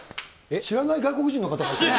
知らない外国人の方が入ってる。